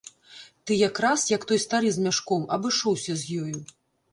Ты якраз, як той стары з мяшком, абышоўся з ёю.